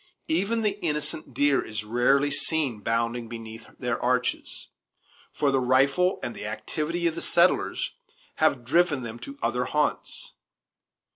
Even the innocent deer is rarely seen bounding beneath their arches; for the rifle and the activity of the settlers have driven them to other haunts.